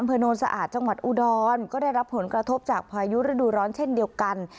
โนนสะอาดจังหวัดอุดรก็ได้รับผลกระทบจากพายุฤดูร้อนเช่นเดียวกัน